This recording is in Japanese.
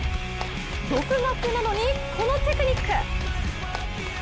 独学なのに、このテクニック。